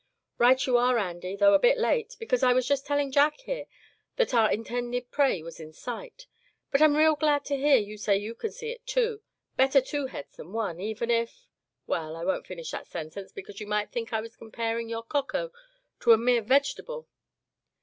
"Right you are, Andy, though a bit late, because I was just telling Jack here that our intended prey was in sight. But I'm real glad to hear you say you can see it too, better two heads than one, even if well, I won't finish that sentence, because you might think I was comparing your coco to a mere vegetable.